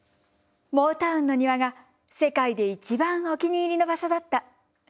モータウンの庭が世界で一番お気に入りの場所だった。